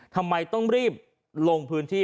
ทำไมต้องรีบลงพื้นที่